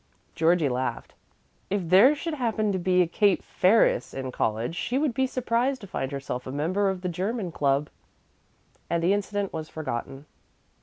Georgie laughed. "If there should happen to be a Kate Ferris in college, she would be surprised to find herself a member of the German Club," and the incident was forgotten.